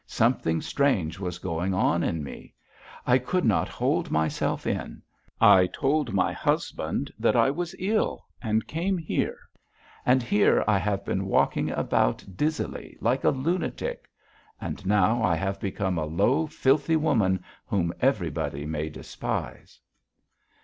Something strange was going on in me. I could not hold myself in. I told my husband that I was ill and came here.... And here I have been walking about dizzily, like a lunatic.... And now I have become a low, filthy woman whom everybody may despise."